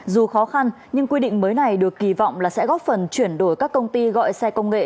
dù khó khăn nhưng quy định mới này được kỳ vọng là sẽ góp phần chuyển đổi các công ty gọi xe công nghệ